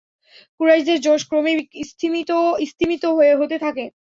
কুরাইশদের জোশ ক্রমেই স্তিমিত হতে থাকে।